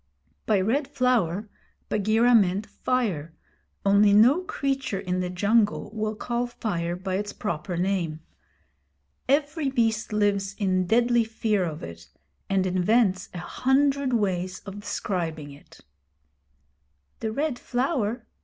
By Red Flower Bagheera meant fire, only no creature in the jungle will call fire by its proper name. Every beast lives in deadly fear of it, and invents a hundred ways of describing it. 'The Red Flower?'